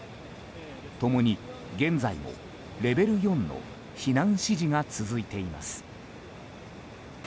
共に現在もレベル４の避難指示が続いています。